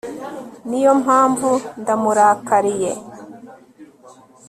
Niyo mpamvu ndamurakariye